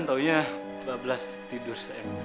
taunya dua belas tidur sayang